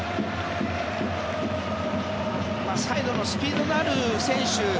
サイドのスピードがある選手